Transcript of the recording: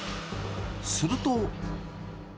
すると。